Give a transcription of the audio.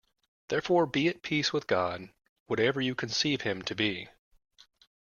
Therefore be at peace with God, whatever you conceive Him to be.